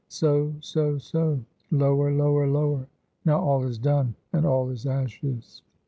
so, so, so lower, lower, lower; now all is done, and all is ashes!